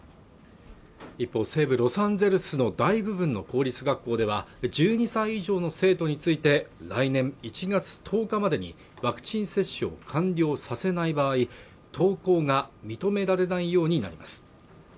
一方西部ロサンゼルスの大部分の公立学校では１２歳以上の生徒について来年１月１０日までにワクチン接種を完了させない場合登校が認められないようになります